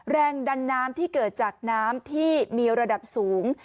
แรงดันน้ำที่เกิดจากน้ำที่มีระดับสูง